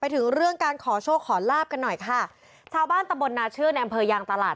ถึงเรื่องการขอโชคขอลาบกันหน่อยค่ะชาวบ้านตำบลนาเชื่อในอำเภอยางตลาด